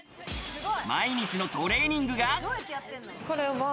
毎日のトレーニングが。